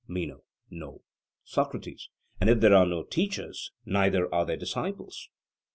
MENO: No. SOCRATES: And if there are no teachers, neither are there disciples?